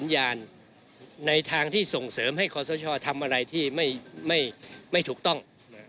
ทำอะไรที่ไม่ถูกต้อง